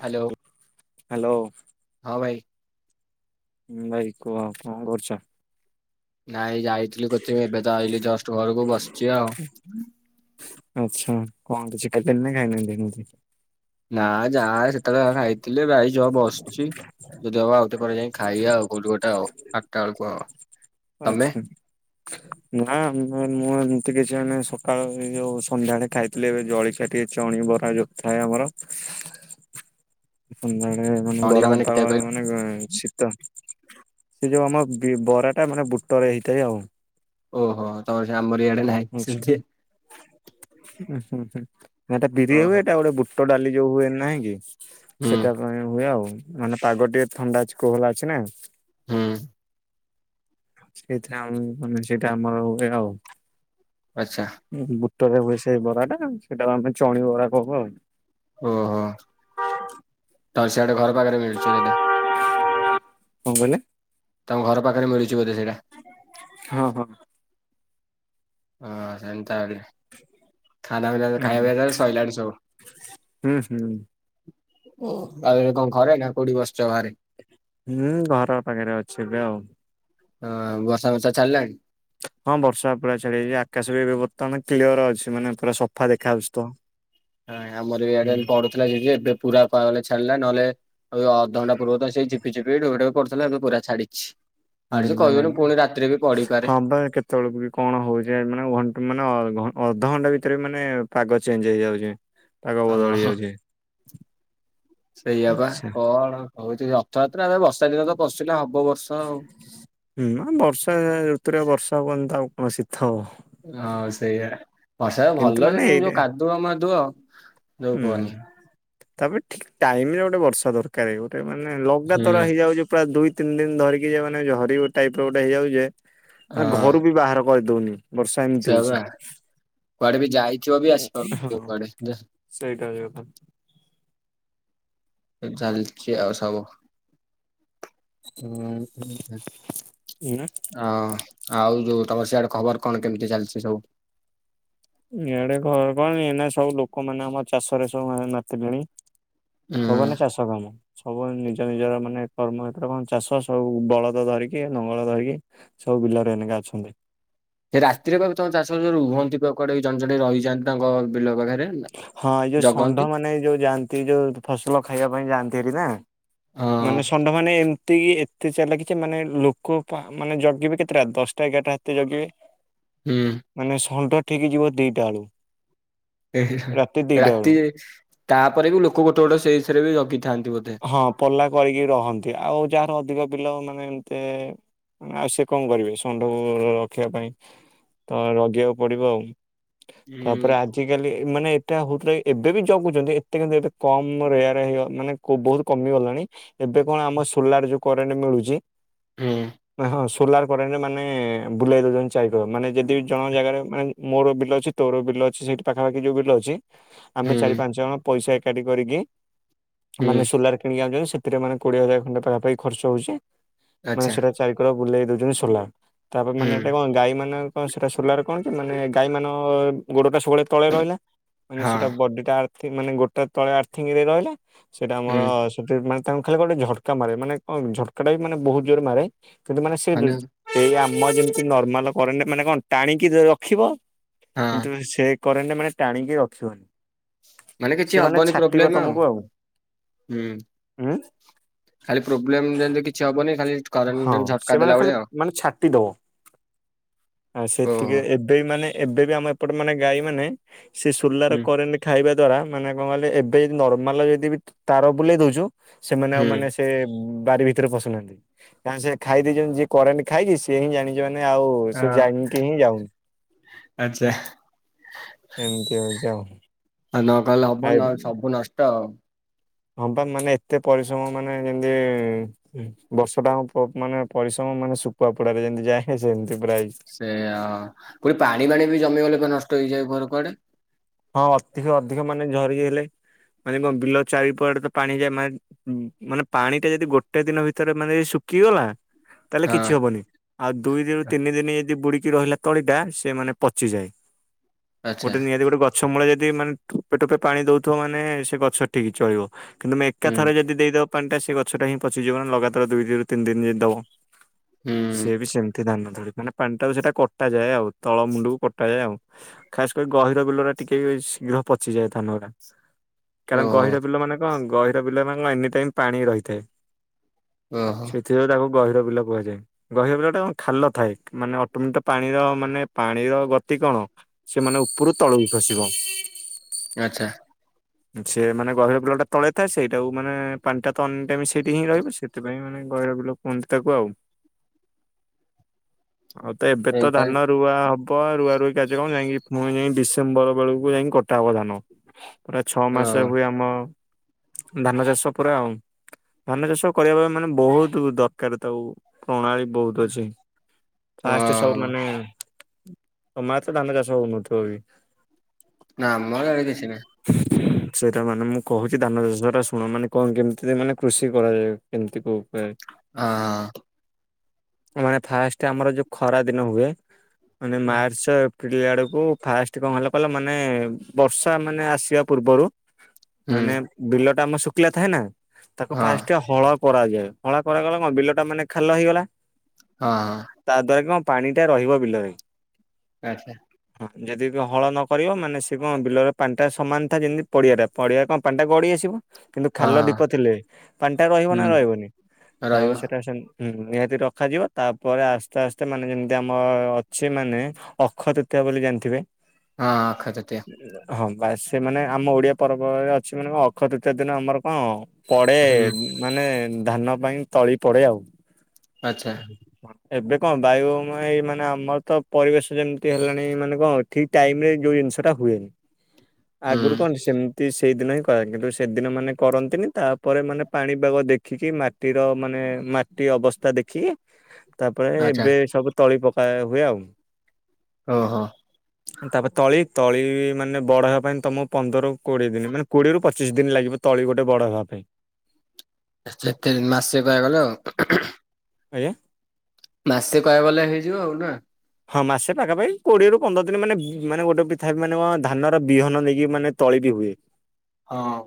Hello hello ହଁ ଭାଇ। ହଁ ଭାଇ କୁହ କଣ କରୁଛ? ନାଇଁ ଯାଇଥିଲି କ ଏବେ ତ ଆଇିଲି ଜଷ୍ଟ ଘରକୁ ବସିଛି ଆଉ। ଆଚ୍ଛା କଣ ଚିକେନ ଖାଇନାହାନ୍ତି ମୁ ନା ଯା ସେତେବେଳେ ଯ ଖାଇଥିଲ ଭାଇ ଅ ବସୁଛି। ଯଦି ହବା ଆଉତେ ପରେ ଯାଇ ଖାଇବା ଆଉ ଗୋଲ ଗୋଟେ ଆଉ ଆଠଟା ବେଳକୁ ଆଉ। ତମେ ଆଚ୍ଛା। ନା ମୁଁ ଏମିତି କିଛି ମାନେ ସକାଳ ଯୋଉ ସନ୍ଧ୍ୟାଳେ ଖାଇଥିଲି ଏବେ ଜଳିକ ଟ ଚଣି ବରା ଯୋଉ ଥାଏ ଆମର ମାନେ ଭଉଣୀର ଗରମ କେତେ ପାାଗ କହିଲ? ମାନେ ଶୀତ ସେ ଯୋଉ ଆମ ବରା। ଟା ମାନେ ବୁଟରେ ହେଇଥାଏ ଆଉ। ଓହୋ ତ ସେ ଆବର ଇଡେ ନାହିଁ। ଆଛା ସେମିତି ହଁ ହୁଁଟା ବିରି ହ ଓହୋ ଏଟା ଗୋଟେ ପୋଟ ଡାଲି ଯୋଉ ହୁଏନ ନାହିଁ କି ହୁଁ ସେଟା କ ହୁଏ ଆଉ ମାନେ ପାଗ ଟିକେ ଥଣ୍ଡା ଅଛି କୋହଲା ଅଛି ନା। ହୁଁ। ସେଇଥିରେ ଆମୁଁ [unintelligible] ଆମର ଗୋଟେ ଆଉ ଆଚ୍ଛା। ବୁଟରେ ବି ସେଇ ବରା ଟା ସେଇଟା କୁ ଆମେ ଚଣୁ ବରା କହୁଁ ଆଉ। ଓହ ତ ସେଆଡ଼େ ଘର ପାଖରେ ମିଳୁଛି ଯଦି। [inaudible] କଁ କଇଲେ। ତମ ଘର ପାଖରେ ମିଳୁଚି ବୋଧେ ସେଇଟା। ହଁ ହଁ। ହଁ ସେତା ଆଲେ ଖା ପି ହୁଁ ଖାଇବା ପିଇ ସୋଇଲାଡ ସବଉ। ହୁଁ ହୁଁ ଓ ଆଉ ଏଇନା କଣ ଘରେ ନା କୋଉଠି ବସିଛ ବାହାରେ ହୁଁ ଘର ପାଖରେ ଅଛି ଏବେ ଆଉ ହଁ ବର୍ଷା ବର୍ଷା ଛାଡିଲାଣି ହଁ ବର୍ଷା ପୁରା ଛାଡି ଯାଇଛି ଆକାଶ ବି ଏବେ ବର୍ତ୍ତମାନ କ୍ଲିୟର ଅଛି ମାନେ ପୁରା ସଫା ଦେଖାହାଉଛି ତ ଆମର ଏଆଡେ ହୁଁ ପଢୁଥିଲା ଯଦି ଏବେ ପୁରା ପାଣି ଛାଡିଲା ନହେଲେ ଆଉ ଅଧଘଣ୍ଟା ପୂର୍ବରୁ ତ ସେଇ ଝିପି ଚିପି ଢୋ ଢୋ କରୁଥିଲା ଏବେ ପୁରା ଛାଡିଛି ହୁଁ ଆଡ ଯେ କଇବନି ପୁଣି ରାତିରେ ବି ପଡ଼ିପାରେ। ତଳକୁ ବି କଣ ହଉଚି ଏ ମାନେ ଘନ୍ ମାନେ ଅ ଘନ୍ ଅଧଘଣ୍ଟା ଭିତରେ ମାନେ ପାଗ ଚେଞ୍ଜ୍ ହେଇଯାଉଚି। ଅ ହ ସେଇଆ ବା ଆଚ୍ଛା କଣ ହଉଚି ଯେ ଅଥଯାତ୍ରା ରେ ବର୍ଷା ଦିନ ତ କସିଲେ ହବ ବର୍ଷା ଆଉ। ହୁଁ ଆ ବର୍ଷା ରୁତୁ ବର୍ଷା ହବନି ତ ଆଉ କଣ ଶୀତ ହବ। ଅଁ ସେୟା ବର୍ଷା ଭଲ ଯେ କିନ୍ତୁ ଯୋଉ କାଦୁଅ ମାଦୁଅ। ଯୋଉ ଉଁ କୁହନି। ତାପରେ ଠିକ୍ ଟାଇମ୍ ରେ ଗୋଟେ ବର୍ଷା ଦର୍କାରେ ଗୋଟେ ମାନେ ଲ ଦା ହୁଁ ତର ହେଇଯାଉଚି ପୁରା ଦୁଇ ତିନ୍ ଦିନ୍ ଧରିକି ଯେଉଁମାନେ ଝରି ଟାଇପ୍ ର ଗୋଟେ ହେଇଯାଉଚେ। ଯେ ଘରୁ ବି ବାହାର୍ କରି ଦଉନି। ସେ ଆଉଆ କୁଆଡ଼େ ବି ଯାଇଥିବ ବି ହଁ ଆସିପାରୁଥିବ କୁଆଡ଼େ। ସେଇଟା ବି ଗୋଟେ। ଏ ଚାଲ୍ଚି ଆଉ ସବୁ ଉଁ ହୁଁ ହୁଁ ନା ଆ ଆଉ ଯୋଉ ତମର୍ ସେଆଡ଼େ ଖବର୍ କଣ କେମିତି ଚାଲ୍ଛି ସବୁ। ଇଆଡ଼େ କଣ୍ କରନ୍ତିକି ନା ସବୁ ଲୋକମାନେ ଆମ ଚାଷରେ ସବୁ ମା ମାତିଲେଣି। ହୁଁ ସବ୍ ମାନେ ଚାଷ କାମ। ସବୁ ମାନେ ନିଜ ନିଜର ମାନେ କର୍ମ ଏତତ କଣ ଚାଷ ସବୁ ବଳଦ ଦରିକି ନଙ୍ଗଳ ଧରିକି ସବୁ ବିଲରେ ଏନିକା ଅଛନ୍ତି। ହେ ରାତିରେ [unintelligible] ରୁହନ୍ତି ପକଡ଼େଇ ଜଣେ ଜଣେ ରହିଯାନ୍ତି ତାଙ୍କ ବିଲ ପାଖରେ। ହଁ ଏଇ ଯୋଉ ଜଗନ୍ତି। ଷଣ୍ଢ ମାନେ ଏଇ ଯୋଉ ଯାଆନ୍ତି ଯୋଉ ଫସଲ ଖାଇବା ପାଇଁ ଯାଆନ୍ତି ହେରି ନା ହଁ ମାନେ ସନ୍ ଲୋକ୍ ମାନେ ଏମ୍ତିକି ଏତେ ଚାଲାକି କି ମାନେ ଲୋକ ପା ମାନେ ଜଗିବେ କେତେଟା ଦଶ୍ ଟା ଏଗାର୍ ଟା ହାତେ ଜଗିବେ। [inaudible] ହୁଁ ମାନେ ଷଣ୍ଢ ଠିକ୍ ଯିବ ଦିଟା ବେଳକୁ। ଏ ହେ ହେ ବେଳୁ। ରାତି କାପରେ ବି ଲୋକ ଗୋଟେ ଗୋଟେ ସେଇଥିରେ ବି ଯଗିଥାନ୍ତି ବୋଧେ। ହଁ ପଲ୍ଲା କରିକି ରହନ୍ତି ଆଉ ଯାହାର ଅଧିକ ବିଲ ମାନେ ଏମ୍ତି ଆ ସେ କଣ କରିବେ ଷଣ୍ଢକୁ ରଖିବା ପାଇଁ ତ ରଗିବାକୁ ପଡ଼ିବ ଆଉ। ତାପରେ ହୁଁ ଆଜ୍ ଆଜିକାଲି ମାନେ ଏଟା ହଉଥିଲା କି ଏବେ ବି ଜଗୁଚନ୍ତି ଏତେ କିନ୍ତୁ ଏବେ କମ୍ ରେଆର୍ ଆଇ ହେଇବ ମାନେ ବହୁତ୍ କମି ଗଲାଣି ଏବେ କଣ ଆମ ସୁଲାର୍ ଯୋଉ କରେଣ୍ଟ ମିଳୁଛି। ହୁ ନା ହଁ ସୋଲାର କରେଣ୍ଟରେ ମାନେ ବୁଲାଇ ଦଉଛନ୍ତି ଚାରିକର ମାନେ ଯଦି ଜଣ ଜାଗାରେ ମାନେ ମୋର ବିଲ ଅଛି ତୋର ବିଲ ଅଛି ସେଠି ପାଖାପାଖି ଯୋଉ ବିଲ ଅଛି ଆମେ ହୁଁ ଚାରି ପାଞ୍ଚ ଜଣ ପଇସା ଏକାଠି କରିକି ମାନେ ହୁଁ ସୁଲାର୍ କିଣିକି ଆଣୁଛନ୍ତି ସେଥିଟା ମାନେ କୋଡ଼ିଏ ହଜାର ଖଣ୍ଡେ ପାଖାପଖି ଖର୍ଚ୍ଚ ହଉଛି ମାନେ ଆଚ୍ଛା ସେଟା ଚାରି କର ବୁଲେଇ ଦଉଛନ୍ତି ସୋଲା ତାପରେ ହୁଁ ମାନେ ଏଟା କଣ ଗାଈ ମାନେ କଣ ସେଟା ସୋଲାର କଣ କି ମାନେ ଗାଈ ମାନ ଗୋଡଟା ସବୁବେଳେ ତଳେ ରହିଲା ମାନେ ହଁ ସେଟା ବଡି ଟା ମାନେ ଗୋଟେ ତଳେ ଆର୍ଥଙ୍ଗରେ ରହିଲା ସେଇଟା ହୁଁ ଆମର ଯଉ ମାନେ ତାଙ୍କୁ ଖାଲି ଗୋଟେ ଝଟକା ମାରେ ମାନେ କଣ ଝଟକା ଟା ବି ମାନେ ବହୁତ ଜୋର ମାରେ କିନ୍ତୁ ମାନେ ସେ ଜୁ ଏଇ ଆମ ଯେମିତି ନର୍ମାଲ କରେଣ୍ଟ ମାନେ କଣ ଟାଣିକି ରଖିବ କିନ୍ତୁ ସେ, କରେଣ୍ଟେ ମାନେ ଟାଣିକି ରଖିବ। ମାନେ କିଛି ହବନି ପ୍ରୋବ୍ଲେମ୍ ଆଉ ହୁଁ। ଉ ଖାଲି ପ୍ରୋବ୍ଲେମ୍ ଦେଲେ କିଛି ହବନି ଖାଲି କରେଣ୍ଟ ହଁ ଯେମିତି ଝଟକା ସେମାନେ ଦେଲା ଖାଲି ଭଳିଆ ଆଉ ମାନେ ଛାଟିଦବ ଆ ଓହୋ। ସେତିିକିରେ ଏବ୍ ଏଇ ମାନେ ଏବେ ବି ଆମ ଏପଟେ ମାନେ ଗାଈ ମାନେ ସେଇ ସୁୁଲାର ହୁଁ କରେଣ୍ଟ୍ ଖାଇବା ଦ୍ଵାରା ମାନେ କଣ କଇଲେ ଏବେ ନର୍ମାଲ ଯଦି ବି ତାର ବୁଲେଇ ଦଉଚୁ ସେମାନେ ଆଉ ହୁଁ ମାନେ ସ୍ ଏ ବାରି ଭିତରେ ପଶୁନାହାନ୍ତି କାରଣ ସେ ଖାଇ ଦେଇଚନ୍ତି ଯିଏ କରେଣ୍ଟ୍ ଖାଇକି ସିଏ ହିଁ ଜାଣିଚି ମାନେ ଆଉ ସେ ହଁ ଜାଣିକି ହିଁ ଯାଉନି। ଆଚ୍ଛା। ଏମିତି ହଉଚି ଆଉ। ଆଉ ନ କଲେ ହବ ଆଉ ନଲେ ସବୁ ନଷ୍ଟ ଆଉ। ହଁ ପା ମାନେ ଏତେ ପରିଶ୍ରମ ମାନେ ଯେମତି ବର୍ଷ ଟା ଆମ ପ ମାନେ ପରିଶ୍ରମ ମାନେ ଶୁଖୁଆ ପୋଡାରେ ଯେମିତି ଯାଏ ସେମିତି ପୁରା ହେଇଛି। ସେଇୟା କୋଉଠି ପାଣି ପାଣି ବି ଜମି ଗଲେ [unintelligible] ନଷ୍ଟ ହେଇଯାଏ ଘର କୁଆଡେ। ହଁ ଅତିିକ ଅଧିକ ମାନେ ଝରି ହେଲେ ମାନେ କଁ ବିଲ ଚାରିପଟେ ତ ପାଣି ଯାଏ ମା ମାନେ ପାଣି ଟା ଯଦି ଗୋଟେ ଦିନ ଭିତରେ ମାନେ ଏଇ ଶୁକିଗଲା ତାହେଲେ କିଛି ହଁ। ହବନି। ଆଉ ଦୁଇ ଦିନରୁ ତିନି ଦିନ ଯଦି ବୁଡ଼ିକି ରହିଲା ତଳିଟା ସେ ମାନେ ପଚିଯାଏ। ଆଚ୍ଛା ଗୋଟେ ନିହାତି ଗୋଟେ ଗଛ ମୂଳେ ଯଦି ମାନେ ଠୋପେ ଠୋପେ ପାଣି ଦଉଥୁବ ମାନେ ସେ ଗଛ ଠିକ ଚଳିବ। କିନ୍ତୁ ତୁମେ ଏକା ହୁଁ ଥରେ ଯଦି ଦେଇଦବ ପାଣି ଟା ସେଇ ଗଛଟା ହିଁ ପଚିଯିବ ନା ଲଗାତାର ଦୁଇ ଦିନି ରୁ ତିନି ଦିନ ଯଦି ଦବ। ହୁଁ ସିଏ ବି ସେମିତି ଧାନ ଧଳି ମାନେ ପାଣି ଟାକୁ ସେଇଟା କଟା ଯାଏ ଆଉ ତଳ ମୁଣ୍ଡକୁ କଟା ଯାଏ ଆଉ ଖାସ କରି ଗହିର ବିଲରେ ଟିକେ ଶୀଘ୍ର ପଚିଯାଏ ଧାନଉରା କାରଣ ଓହୋ ଗହିର ବିଲମାନେ କଣ ଗହି ହିର ବିଲ ମାନେ କଣ ଏନି ଟାଇମ ପାଣି ରହିଥାଏ। ଓ ହୋ। ଥିରେ ତାକୁ ଗହିର ବିଲ କୁହାଯାଏ। ଗହିର ବିଲଟା କଣ ଖାଲ ଥାଏ ମାନେ ଅଟୋମେତ ପାଣିର ମାନେ ପାଣିର ଗତି କଣ? ସେମାନେ ଉପରୁ ତଳକୁ ଖସିବ। ଆଛା। ସେ ମାନେ ଗହିର ବିଲ ଟା ତଳେ ଥାଏ ସେଇଟାକୁ ମାନେ ପାଣି ଟା ତ ଅନେ ଟାଇମ୍ ସେ ସେଠି ହିଁ ରହିବ ସେଥିପାଇଁ ମାନେ ଗହିରବିଲ କୁହନ୍ତି ତାକୁ ଆଉ। ଆଉ ତ ଏବେ ତ ଏମିତି ଧାନ ତାହେଲେ ରୁଆ ହବ ରୁଆ ରୁଇ କାର୍ଯ୍ୟ କାମ ଯାଇକି ପୁଣି ଯାଇଁକି ଡି ସେମ୍ବର ବେଳକୁ ଯାଇଁକି କଟା ହବ ଧାନ ପୁରା ଛଏ ଓ ମାସ ହୁଏ ଆମ ଧାନ ଚାଷ ପୁରା ଆଉ ଧାନ ଚାଷ କରିବା ପାଇଁ ମାନେ ବହୁତୁ ଦରକାର ତାକୁ ପ୍ରଣାଳୀ ବହୁତୁ ଅଛି ଓ ଫାଷ୍ଟ ସବୁ ମାନେ ତମ [unintelligible] ଧାନ ଚାଷ ହଉନଥିବ ବି। ନାଁ ଆମର ଆଡେ କିଛି ନାଇଁ। [inaudible] ସେଇଟା ମାନେ ମୁଁ କହୁଚି ଧାନ ଚାଷ ଟା ଶୁଣ ମାନେ କଣ କେମିତି ମାନେ କୃଷି କରାଯାଏ କେମିତି କୋଉ ଉପାୟରେ। ହଁ। ମାନେ ଫାଷ୍ଟ ଆମର ଯୋଉ ଖରା ଦିନ ହୁଏ ମାନେ ହଁ ମାର୍ଚ୍ଚ ଏ ପ୍ରିଲ ଆଡକୁ ଫାଷ୍ଟ କଣ ହେଲା କହିଲ ମାନେ ବର୍ଷା ମାନେ ଆସିବା ପୂର୍ବରୁ ହୁଁ ମାନେ ବିଲ ଟା ଆମର ଶୁକିଲା ଥାଏ ନା ତାକୁ ହଁ ଫାଷ୍ଟ ହଳ କରାଯାଏ ହଳା କରାଗଲା କଣ ବିଲଟା ମାନେ ଖାଲ ହେଇଗଲା। ହଁ। ତା ଦ୍ଵାରା କଣ ପାଣି ଟା ରହିବ ବିଲରେ। ଆଚ୍ଛା। ହଁ ଯଦି ହଳ ନ କରିବ ମାନେ ସେ କଣ ବିଲରେ ପାଣି ଟା ସମାନ ଥାଏ ଯେମିତି ପଡିଆରେ ପଡିଆ କଣ ପାଣି ଟା ଗଡି ଆସିବ। କିନ୍ତୁ ଖାଲ ହଁ ଢୀପ ଥିଲେ ପାଣି ଟା ରହିବ ନା ହୁଁ ରହିବନି ତାପ ରହିବ ସେଟା ସେମି ହୁଁ ନିହାତି ରଖାଯିବ ତାପରେ ଆସ୍ତେ ଆସ୍ତେ ମାନେ ଯେମିତି ଆମ ଅଛି ମାନେ ଅକ୍ଷୟ ତୃତୀୟ ବୋଲି ଜାଣିଥିବେ? ହଁ ଅକ୍ଷୟ ତୃତୀୟା। ହଁ ବାସ୍ ସେ ମାନେ ଆମ ଓଡିଆ ପର୍ବରେ ଅଛି ମାନେ କଣ ଅକ୍ଷୟ ତୃତୀୟା ଦିନ ଆମର କଣ ପଡେ ହୁଁ ମାନେ ଧାନ ପାଇଁ ତଳି ପଡେ ଆଉ। ଆଚ୍ଛା ଏବେ କଣ ବାୟୁ ଏଇ ମାନେ ଆମର ତ ପରିବେଶ ଯେମିତି ହେଲାଣି ମାନେ କଣ ଠିକ ଟାଇମ ରେ ଯୋଉ ଜିନିଷ ଟା ହୁଏନି ଆଗରୁ ହୁଁ କଣ ସେମିତି ସେଇଦିନ ହିଁ କରନ୍ତି କିନ୍ତୁ ସେଦିନ ମାନେ କରନ୍ତିନି ତାପରେ ମାନେ ପାଣିପାଗ ଦେଖିକି ମା ମାଟିର ମାନେ ମାଟି ଅବସ୍ଥା ଦେଖି ତାପରେ ଆଚ୍ଛା ଏବେ ସବୁ ତଳି ପକା ହୁଏ ଆଉ। ଓହୋ। ତାପରେ ତଳି ତଳି ମାନେ ବଡ ହେବା ପାଇଁ ତମକୁ ପନ୍ଦରରୁ କୋଡିଏ ଦିନ ମାନେ କୋଡିଏରୁୁ ପଚିଶି ଦିନ ଲାଗିବ। ତଳି ଗୋଟେ ବଡ ହେବା ପାଇଁ। ସେତେ ମାସେ ପା ଗଲ। ଆଜ୍ଞା। ମାସେ କହିଆକୁ ଗଲେ ହେଇଯିବ ଆଉ ନା। ହଁ ମାସେ ପାଖାପାଖି କୋଡିଏରୁୁ ପନ୍ଦର ଦିନ ମାନେ ମାନେ ଗୋଟେ ପିଥା ମାନେ ଧାନର ବିହନ ନେଇକି ମାନେ ତଳି ବି ହୁଏ। ହଁ।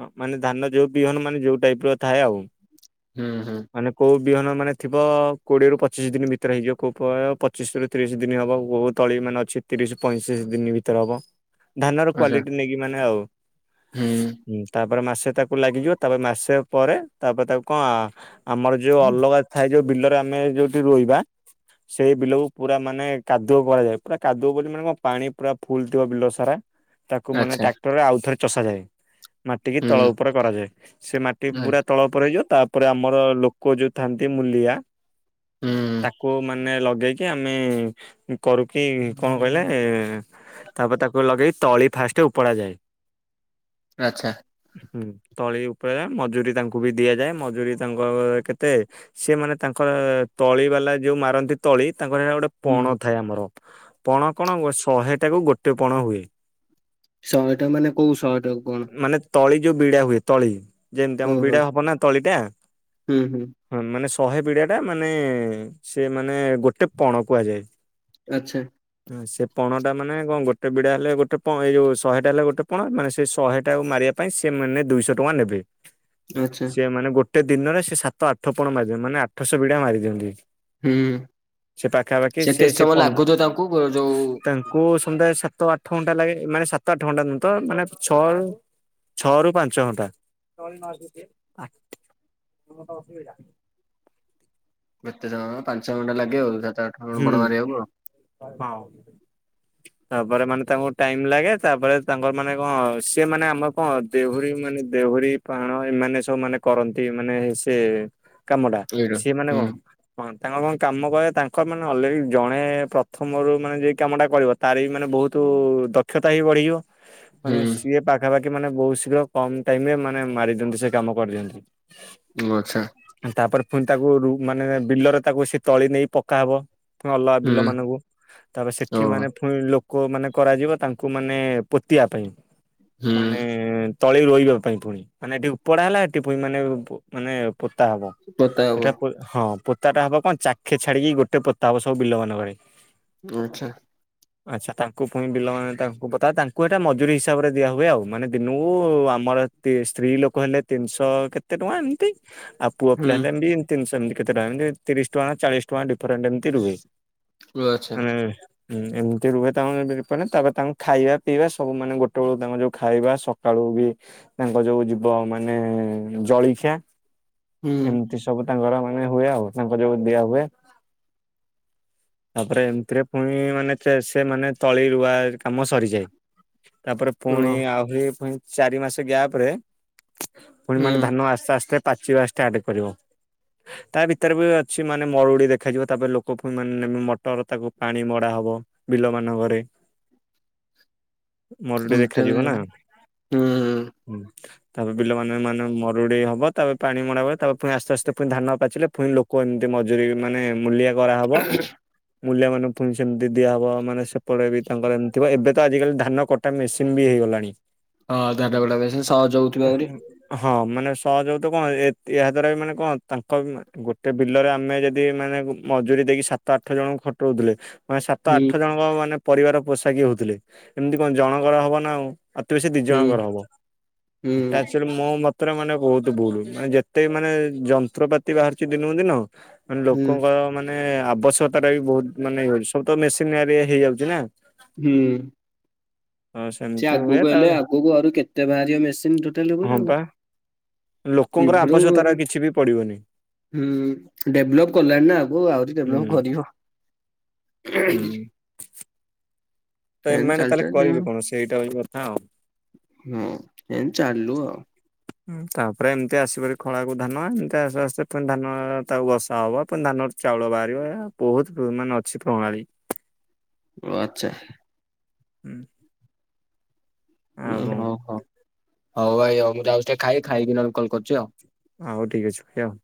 ହଁ ମାନେ ଧାନ ଯୋଉ ବିହନ ମାନେ ଯୋଉ ଟାଇପ ର ଥାଏ ଆଉ। ହୁଁ ହୁଁ। ମାନେ କୋଉ ବିହନ ମାନେ ଥିବ କୋଡିଏରୁୁ ପଚିଶି ଦିନି ଭିତରେ ହେଇଯିବ କୋଉ ପ ପଚିଶ ରୁ ତିରିଶ ଦିନ ହବ ବହୁ ତଳି ମାନେ ଅଛି ତିରିଶ ପଇଁତିଶ ଦିନ ଭିତରେ ହବ। ଧାନର ଆଚ୍ଛା କ୍ଵାଲିଟି ନେଇକି ମାନେ ଆଉ। ହୁଁ। ହୁଁ ତାପରେ ମାସେ ତାକୁ ଲାଗିଯିବ ତାପରେ ମାସେ ପରେ ତାପରେ ତାକୁ କନ ଆମର ଯୋଉ ଅଲଗା ଥାଏ ଯୋଉ ବିଲରେ ଆମେ ଯୋଉଠି ରୋଇବା ସେଇ ବିଲକୁ ପୁରା ମାନେ କାଦୁଅ କରାଯାଏ ପୁରା କାଦୁଅ ବୋଲି ମାନେ କଣ ପାଣି ପୁରା ଫୁଲ ଥିବ ବିଲ ସାରା। ତାକୁ ମାନେ ଆଚ୍ଛା ଟ୍ରାକ୍ଟର ରେ ଆଉଥରେ ଚଷାଯାଏ। ମାଟି କିି ତଳ ଉପର କରାଯାଏ ସେ ମାଟି ହୁଁ ପୁରା ତଳ ଉପର ହେଇଯିବ ତା ତାପରେ ଆମର ଲୋକ ଯୋଉ ଥାନ୍ତି ମୁଲିଆ ହୁଁ ତାକୁ ମାନେ ଲଗେଇ କି ଆମେ କରୁ କିି କଣ କହିଲେ ଏ-ଏ ତାପରେ ତାକୁ ଲଗେଇ ତଳି ଫାଷ୍ଟ ଉପଡା ଯାଏ। ଆଚ୍ଛା। ହୁଁ ତଳି ଉପରେ ମଜୁରୀ ତାଙ୍କୁ ବି ଦିଆଯାଏ ମଜୁରୀ ତାଙ୍କ କେତେ ସେମାନେ ତାଙ୍କର ତଳି ବାଲା ଯୋଉ ମାରନ୍ତି ତଳି ତାଙ୍କର ହେଲା ଗୋଟେ ହୁଁ ପଣ ଥାଏ ଆମର। ପଣ କଣ ଶହେ ଟାକୁ ଗୋଟେ ପଣ ହୁଏ। ଶହେ ଟା ମାନେ କୋଉ ଶହେ ଟାକୁ କଣ? ମାନେ ତଳି ଯୋଉ ବିଡା ହୁଏ ତଳି ଯେମିତି ଆମ ଓହୋ ବିଡା ହବ ନା ତଳି ଟା। ହୁଁ ହୁଁ ହଁ ମାନେ ଶହେ ବିଡା ଟା ମାନେ ସେ ମାନେ ଗୋଟେ ପଣ କୁହାଯାଏ। ଆଚ୍ଛା। ହୁଁ। ସେ ପଣ ଟା ମାନେ କଣ ଗୋଟେ ବିଡା ହେଲେ ଗୋଟେ ପ ଏଇଯୋଉ ଶହେଟା ହେଲେ ଗୋଟେ ପଣ ମାନେ ସେଇ ଶହେଟାକୁ ମାରିବା ପାଇଁ ସେମାନେ ଦୁଇଶହ ଟଙ୍କା ନେବେ। ଆଚ୍ଛା। ସେ ମାନେ ଗୋଟେ ଦିନରେ ସେ ସାତ ଆଠପଣ ମାରିନ୍ତି ମାନେ ଆଠଶ ବିଡା ମାରିଦିଅନ୍ତି। ହୁଁ। ସେ ପାଖାପାଖି ସେ କେତେ ସେ ସମୟ ପ ଲାଗୁଥିବ ତାଙ୍କୁ ଯୋଉ ତା କୁ ସନ୍ଧ୍ୟା ସାତ ଆଠ ଘଣ୍ଟା ଲାଗେ। ମାନେ ସାତ ଆଠ ଘଣ୍ଟା ନୁହୁଁ ତ ମାନେ ଛଅ ଛଅ ରୁ ପାଞ୍ଚ ଘଣ୍ଟା। କେତେ ଜଣ ପାଞ୍ଚ ଘଣ୍ଟା ଲାଗେ ଆଉ। ସାତ ଆଠ ପଣ ହୁଁ ବଡ ମାରିବାକୁ ଆଉ। ହଁ। ତାପରେ ମାନେ ତାଙ୍କୁ ଟାଇମ୍ ଲାଗେ। ତାପରେ ତାଙ୍କର ମାନେ କଣ ସିଏ ମାନେ ଆମର କଣ ଦେହୁରୀ ମାନେ ଦେହୁରୀ ପାଣ ଏମାନେ ସବୁ ମାନେ କରନ୍ତି। ମାନେ ସେ କାମୁଡା ଏଇଟା ସିଏ ମାନେ ହୁଁ କଣ ତାଙ୍କ କଣ କାମ କ, ତାଙ୍କ ମାନେ ଅଲରେ ଜଣେ ପ୍ରଥମରୁ ମାନେ କାମଟା କରିବ। ତା'ର ବି ମାନେ ବହୁତୁ ଦ କ୍ଷତା ହି ବଢ଼ି ଯି। ମାନେ ସିଏ ପାଖାପା ମାନେ ବହୁତ୍ ଶୀଘ୍ର କମ୍ ଟାଇମ୍ ରେ ମାନେ ମାରି ଦିଅନ୍ତି, ସେ କାମ କରି ଦିଅନ୍ତି। [inaudible] ତା'ପରେ ପୁଣି ତାକୁ ମାନେ ବିଲରେ ତାକୁ ସେ ତଳି ନେଇ ପକାହବ। ଅଲଗା ବିଲ ହୁଁ ମାନଙ୍କୁ ତା'ପରେ ସେଠି ଓହୋ। ମାନେ ପୁ ଲୋକ ମାନେ କରାଯିବ, ତାଙ୍କୁ ମାନେ ପୋତିବା ପାଇଁ। ହୁଁ ମାନେ ତଳି ରୋଇବା ପାଇଁ, ପୁଣି ମାନେ ଏଠି ଉପଡା ହେଲା। ଏଠି ପୁଣି ମାନେ ମାନେ ପୋତା ହବ। ପୋତା ହବ ହଁ! ପୋତାଟା ହବ କ ଖେ ଛାଡ଼ିକି ଗୋଟେ ପୋତା ହବ। ସବୁ ବିଲ ମାନଙ୍କରେ [inaudible] [inaudible] ଆଚ୍ଛା, ତାଙ୍କୁ ପୁଣି ବିଲ ତାଙ୍କୁ ତାଙ୍କୁ ଟା ମଜୁୁରୀ ହିସାବରେ ଦିଆ ହୁଏ। ଆଉ ମାନେ ଦିନକୁ ଆମର ସ୍ତ୍ରୀ ଲୋକ ହେଲେ ତିନ୍‌ଶ କେତେ ଟଙ୍କା ଏମ୍ତି। ଆ ପୁଅ ହୁଁ ପିଲା ହେଲେ ଏମ୍ତି କେତେ ଟଙ୍କା ତିରିଶ୍ ଟଙ୍କା ଚାଳିଶ୍ ଟଙ୍କା ଡିଫରେଣ୍ଟେ ଏମ୍ତି ରୁହେ। ଓ ଆଚ୍ଛା [inaudible] ହୁଁ, ଏମ୍ତି ରୁହେ। ତାଙ୍କୁ ତା'ପରେ ତାଙ୍କୁ ଖାଇବା ପିଇବା ସବୁ, ମାନେ ଗୋଟେ ବଳକୁ ତାଙ୍କୁ ଯଉ ଖାଇବା ସକାଳୁ ବି ତାଙ୍କ ଯଉ ଯିବ। ମାନେ ଜଳିଖିଆ ହୁଁ ଏମ୍ତି ସବୁ ତାଙ୍କର ମାନେ ହୁଏ, ଆଉ ତାଙ୍କୁ ଯଉ ଦିଆ ହୁଏ। ତା'ପରେ ଏମ୍ତିରେ ପୁଣି ମାନେ ସେ ମାନେ ତଳି ରୁଆ କାମ ସରିଯାଏ। ତା'ପରେ ପୁଣି, ଓହୋ। ଆହୁରି ପୁ ଚାରି ମାସ ଗ୍ଯାପ୍ ରେ ପୁଣି ହୁଁ ମାନେ ଧାନ ଆସ୍ତେ ଆସ୍ତେ ପାଚିବା ଷ୍ଟାର୍ଟ କରିବ। ତା'ଭିତରେ ବି ଅଛି ମା ମାନେ ମରୁଡି ଦେଖାଯିବ। ତା'ପରେ ଲୋକ ମାନେ ମଟର, ତାକୁ ପାଣି ମଡ଼ା ହବ। ବିଲ ମାନଙ୍କରେ ମରୁଡ଼ି ଦେଖା ଏମିତି ଯିବା ନା ହୁଁ ତା'ପରେ ମାନେ ମାନେ ମରୁଡ଼ି ହବ। ତା'ପରେ ପାଣି ମଡ଼ା ହୁଏ, ତା'--ରେ ପୁଣି ଆସ୍ତେ ଆସ୍ତେ ଣି ଧାନ ପାଚିଲେ। ଣି ଲୋକ ମଜୁରୀ, ମାନେ ମୂଲିଆ କରା ହବ। ମୂଲିଆ ମାନଙ୍କୁ ପୁଣି ସେମ୍ତି ଦିଆ ହବ। ମାନେ ସେପଟେ ବି ତାଙ୍କର ଏମ୍ ଥିବ, ଏବେ ତ ଆଜିକାଲି ଧାନ କ ମେସିନ୍‌ ବି ହେଇଗଲାଣି। [inaudible] [inaudible] ବିଲରେ, ଆମେ ଯଦି ମାନେ ମଜୁରୀ ଦେଇକି ସାତ ଆଠ ଜଣଙ୍କୁ ଖଟଉ ଥିଲେ। ମାନେ ସାତ ହୁଁ ଆଠ ଜଣଙ୍କ ମାନେ ପରିବାର ପୋଷାକି ହଉଥିଲେ, ଏମ୍ତି ଜଣ କର ହବ ନା ଆଉ। ଅତି ବେଶୀ ଦି ହୁଁ ଜଣଙ୍କର ହବ। ହୁଁ ଏଟା ମାନେ ବହୁତୁ ଭୁଲୁ। ମାନେ ଯେତେ ମାନେ ଯନ୍ତ୍ରପାତି ବାହା---ଚି, ଦିନକୁ ଦିନ ମାନେ ହୁଁ ଲୋକଙ୍କ ମାନେ ଆବଶ୍ୟକତା ଟା, ବି ବହୁତ୍ ମାନେ ସବୁ ତ ମେସି ହେଇଯାଉଚି ନା। [inaudible] ହଁ ସେମିତି ଆ--କୁ ହୁଏ ହେଲେ, ତାପରେ ଆଗକୁ କେତେ ବାହାରିବ ମେସିନ୍‌ ଟୋଟାଲ୍ ହଁ ଉପରେ ଆଉ। ପା ଲୋକଙ୍କର ଇମ୍ପ୍ରୋ ଆବଶ୍ୟକତା ଟା କିଛି ବି ପଡ଼ିବନି। ହୁଁ, ଡେଭଲ କଲାଣି ନା ଆ ଆହୁରି ହୁଁ ଡେଭଲପ୍ କରିବ। ହୁଁ ତ [inaudible] ଏମାନେ ତାହେଲେ କରିବେ କଣ ସେଇଟା ହଉଚି କଥା ଆଉ। ହୁଁ, ଚାଲୁ ଆଉ। ତା'ପରେ ଏମ୍ତି ଆସି ଖଳାକୁ ଧାନ। ଏମ୍ ଆସ୍ତେ ଆସ୍ତେ ଧାନ ତାକୁ ବସା ହବ, ଧାନ ଚାଉଳ ବାହାରିବା। ବହୁତ୍ ମାନେ ଅଛି ପ୍ରଣାଳୀ। [inaudible] ହୁଁ ଆଉ ଭାଇ କଣ ମୁଁ ଯାଉଚି ଟିକେ ଖାଇବି, ଖାଇକି ନ ହେଲେ କଲ୍ କରୁଚି ଆଉ। ହଉ ଠିକ ଅଛି ଭାଇଆଉ।